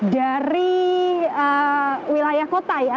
dari wilayah kota ya